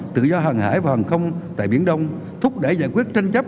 tự do hàng hải và hàng không tại biển đông thúc đẩy giải quyết tranh chấp